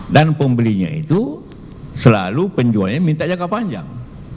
dan pembelinya itu selalu penjualnya minta jangka panjang